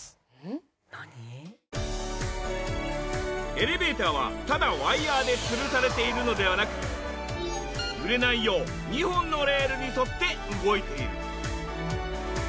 エレベーターはただワイヤーでつるされているのではなく揺れないよう２本のレールに沿って動いている。